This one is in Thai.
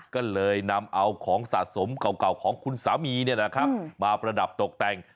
ก็เลยนำเอาของสะสมเก่าของคุณสามีมาประดับตกแต่ง